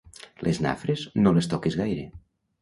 Les nafres, no les toquis gaire.